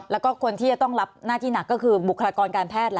แล้วก็คนที่จะต้องรับหน้าที่หนักก็คือบุคลากรการแพทย์